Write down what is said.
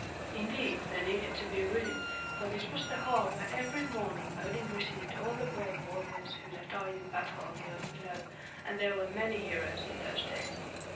Indeed, there needed to be room, for this was the hall where every morning Odin received all the brave warriors who had died in battle on the earth below; and there were many heroes in those days.